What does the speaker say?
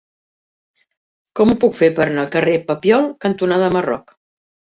Com ho puc fer per anar al carrer Papiol cantonada Marroc?